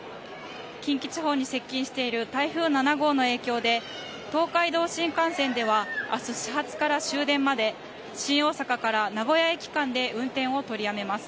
近畿地方に接近している台風７号の影響で東海道新幹線では明日始発から終電まで新大阪から名古屋駅間で運転を取りやめます。